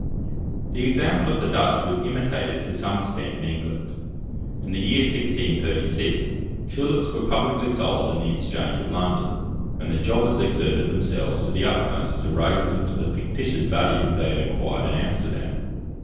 The example of the Dutch was imitated to some extent in England. In the year 1636 tulips were publicly sold in the Exchange of London, and the jobbers exerted themselves to the utmost to raise them to the fictitious value they had acquired in Amsterdam.